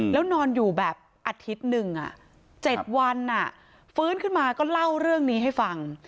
แล้วนอนอยู่แบบอาทิตย์หนึ่ง๗วันฟื้นขึ้นมาก็เล่าเรื่องนี้ให้ฟัง